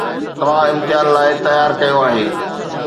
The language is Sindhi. توهان امتحان لاء تيار ڪيو آهي